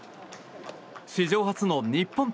史上初の日本対